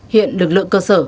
hiện lực lượng cơ sở